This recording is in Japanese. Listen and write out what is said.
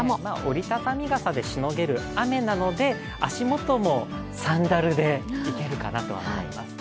折り畳み傘でしのげる雨なので足元もサンダルでいけるかなとは思います。